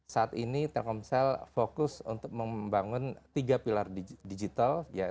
saat ini telkomsel fokus untuk membangun tiga pilar digital